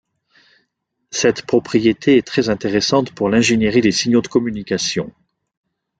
Cette propriété est très intéressante pour l'ingénierie des signaux de communication.